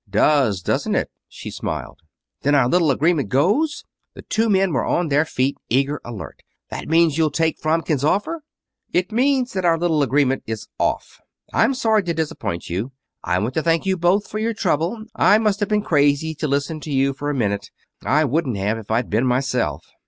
"Does, doesn't it?" She smiled. "Then our little agreement goes?" The two men were on their feet, eager, alert. "That means you'll take Fromkin's offer?" "It means that our little agreement is off. I'm sorry to disappoint you. I want to thank you both for your trouble. I must have been crazy to listen to you for a minute. I wouldn't have if I'd been myself."